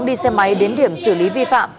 đi xe máy đến điểm xử lý vi phạm